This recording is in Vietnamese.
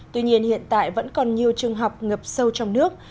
tuy nhiên hiện tại vẫn còn nhiều trường học ngập sâu trong nước